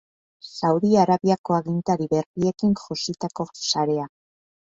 Saudi Arabiako agintari berriekin jositako sarea.